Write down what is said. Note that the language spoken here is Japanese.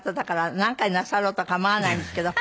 何回なさろうと構わないんですけど